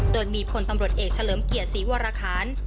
โดยมีพลตำรวจเอกเฉลิมเกียรติศรีวรคาร